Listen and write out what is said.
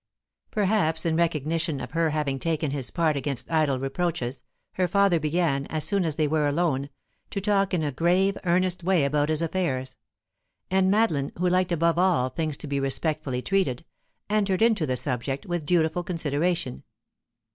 Perhaps in recognition of her having taken his part against idle reproaches, her father began, as soon as they were alone, to talk in a grave, earnest way about his affairs; and Madeline, who liked above all things to be respectfully treated, entered into the subject with dutiful consideration.